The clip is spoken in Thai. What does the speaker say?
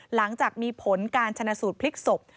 หลังจากมีผลการชนะสูตรพลิกศพ